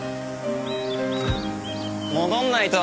戻んないと。